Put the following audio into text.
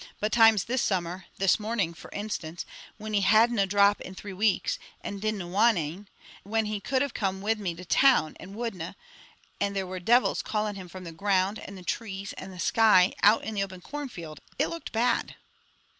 But times this summer, this morning, for instance, when he hadna a drop in three weeks, and dinna want ane, when he could have come wi' me to town, and wouldna, and there were devils calling him from the ground, and the trees, and the sky, out in the open cornfield, it looked bad."